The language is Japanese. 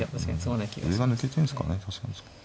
上が抜けてんですかね。